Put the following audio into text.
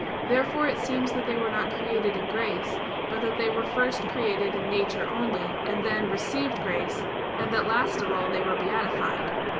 Therefore it seems that they were not created in grace; but that they were first created in nature only, and then received grace, and that last of all they were beatified.